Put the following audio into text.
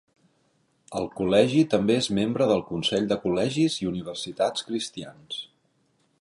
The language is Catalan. El col·legi també és membre del Consell de Col·legis i Universitats Cristians.